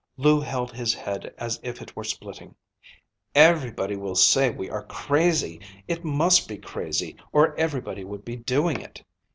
Lou held his head as if it were splitting. "Everybody will say we are crazy. It must be crazy, or everybody would be doing it."